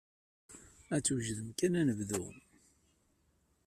Ad twejdem kan ad nebdu.